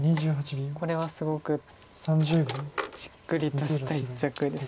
これはすごくじっくりとした一着です。